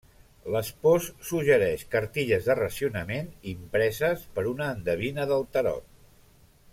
L'espòs suggereix cartilles de racionament impreses per una endevina del tarot.